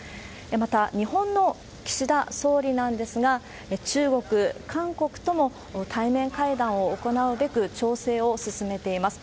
また、日本の岸田総理なんですが、中国、韓国とも対面会談を行うべく、調整を進めています。